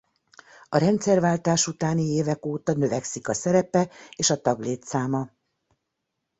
A rendszerváltás utáni évek óta növekszik a szerepe és a taglétszáma.